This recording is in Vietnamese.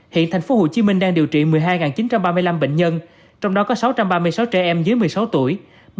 hiện tp hcm đang điều trị một mươi hai chín trăm ba mươi năm bệnh nhân trong đó có sáu trăm ba mươi sáu trẻ em dưới một mươi sáu tuổi